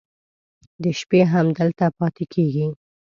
د شپې هم دلته پاتې کېږي.